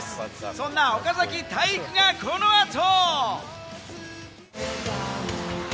そんな岡崎体育が、この後。